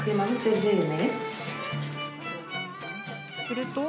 すると。